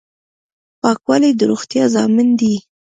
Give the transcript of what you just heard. پاکوالی د روغتیا ضامن دی.